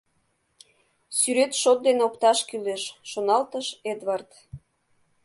“Сӱрет шот дене опташ кӱлеш!” — шоналтышш Эдвард.